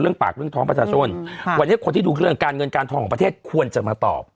ปากเรื่องท้องประชาชนวันนี้คนที่ดูเรื่องการเงินการทองของประเทศควรจะมาตอบ